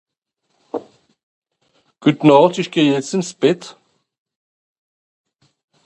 Gutnacht isch geh jetzt ins Bett